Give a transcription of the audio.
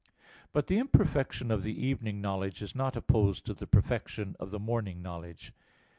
But the imperfection of the evening knowledge is not opposed to the perfection of the morning knowledge.